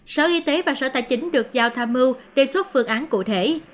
sở y tế và sở tài chính được giao tham mưu đề xuất phương án cụ thể